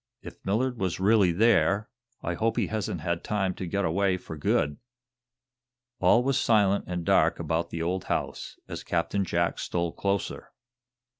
"If Millard was really there, I hope he hasn't had time to get away for good." All was silent and dark about the old house, as Captain Jack stole closer.